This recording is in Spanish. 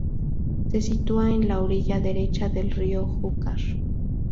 Se sitúa en la orilla derecha del río Júcar.